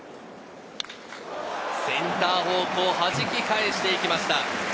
センター方向、はじき返していきました。